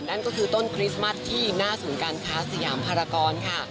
นั่นก็คือต้นคริสต์มัสที่หน้าศูนย์การค้าสยามภารกรค่ะ